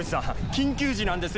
緊急時なんです。